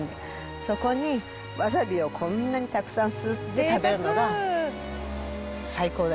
そこにわさびをこんなにたくさんすって食べるのが、最高で。